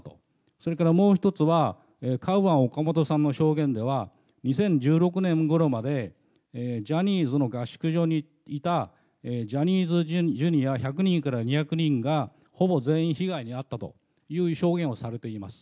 それからもう１つは、カウアン・オカモトさんの証言では、２０１６年ごろまでジャニーズの合宿所にいたジャニーズＪｒ．１００人から２００人がほぼ全員、被害に遭ったという証言をされています。